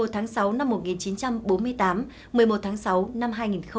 một mươi tháng sáu năm một nghìn chín trăm bốn mươi tám một mươi một tháng sáu năm hai nghìn một mươi chín